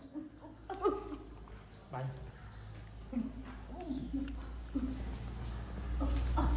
ก็ไปนอน